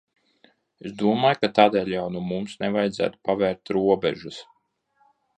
Es domāju, ka tādēļ jau nu mums nevajadzētu pavērt robežas.